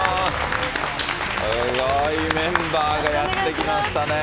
すごいメンバーがやって来ましたね。